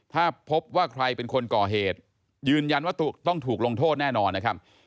ถ้าพบว่าใครเป็นคนก่อเหตุยืนยันว่าต้องถูกลงโทษแน่นอนนะครับ